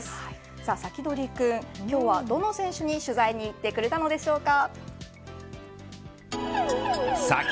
さあサキドリくん、今日はどの選手に取材にいってくれたのでしょうか。